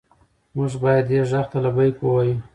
موږ باید دې غږ ته لبیک ووایو.